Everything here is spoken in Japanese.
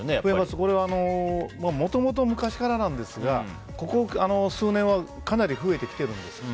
これはもともと昔からなんですがここ数年はかなり増えてきているんです。